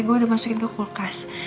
gue udah masukin tuh kulkas